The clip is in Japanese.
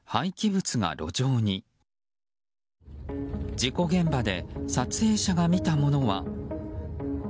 事故現場で撮影者が見たものは。